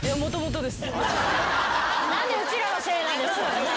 何でうちらのせいなんですか。